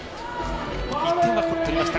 １点は取りました。